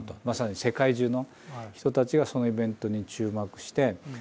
まさに世界中の人たちがそのイベントに注目して。